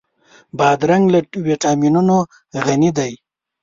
بادرنګ له ويټامینونو غني دی.